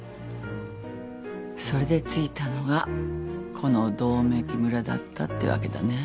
それで着いたのがこの百目鬼村だったってわけだね。